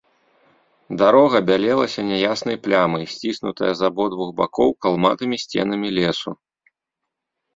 Дарога бялелася няяснай плямай, сціснутая з абодвух бакоў калматымі сценамі лесу.